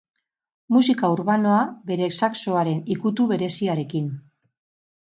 Musika urbanoa, bere saxoaren ikutu bereziarekin.